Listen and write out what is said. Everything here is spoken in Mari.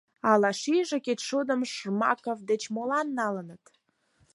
— А шӱйшӧ кечшудым Жмаков деч молан налыныт?